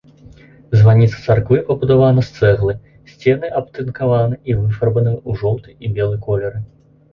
Званіца царквы пабудавана з цэглы, сцены абтынкаваны і выфарбаваны ў жоўты і белы колеры.